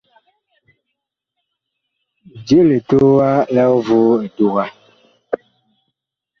Je litowa lig voo eduga.